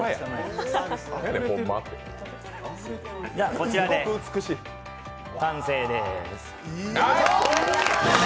こちらで完成です。